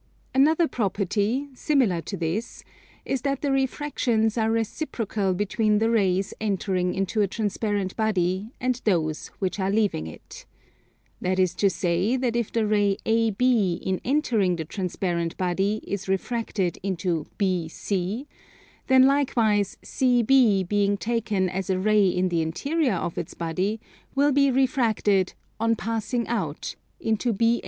Another property, similar to this, is that the refractions are reciprocal between the rays entering into a transparent body and those which are leaving it. That is to say that if the ray AB in entering the transparent body is refracted into BC, then likewise CB being taken as a ray in the interior of this body will be refracted, on passing out, into BA.